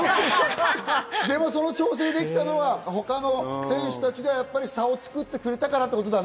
でもその調整できたのは他の選手たちが差を作ってくれたからってことだね。